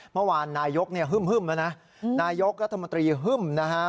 เมื่อวานนายกเนี่ยฮึ่มแล้วนะนายกรัฐมนตรีฮึ่มนะฮะ